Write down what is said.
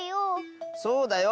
そうだよ！